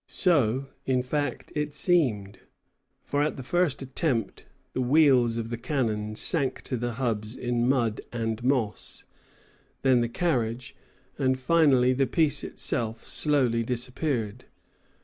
So, in fact, it seemed; for at the first attempt, the wheels of the cannon sank to the hubs in mud and moss, then the carriage, and finally the piece itself slowly disappeared.